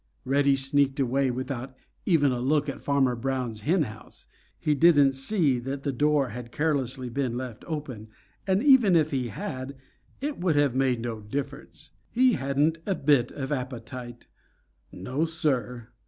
Reddy sneaked away without even a look at Farmer Brown's hen house. He didn't see that the door had carelessly been left open, and even if he had, it would have made no difference. He hadn't a bit of appetite. No, Sir.